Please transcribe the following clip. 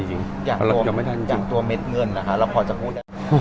อย่างตัวเม็ดเงินนะคะเราพอจะพูด